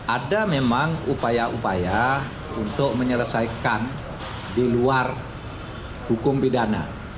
ada memang upaya upaya untuk menyelesaikan di luar hukum pidana